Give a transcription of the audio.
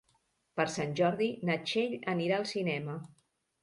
Per Sant Jordi na Txell anirà al cinema.